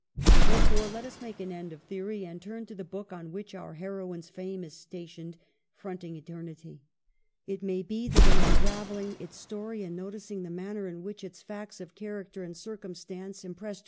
Therefore let us make an end of theory and turn to the book on which our heroine's fame is stationed, fronting eternity. It may be that in unravelling its story and noticing the manner in which its facts of character and circumstance impressed 224 EMILY BRONTE.